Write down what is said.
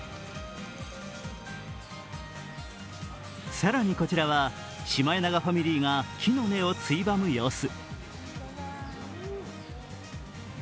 更に、こちらはシマエナガファミリーが木の根をついばむ様子。